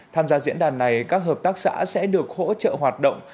tham gia diễn đàn này các hợp tác xã sẽ được hỗ trợ hoạt động